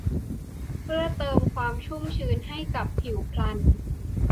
เพื่อเติมความชุ่มชื้นให้กับผิวพรรณ